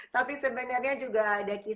tapi sebenarnya juga ada kisah suka dan duka gitu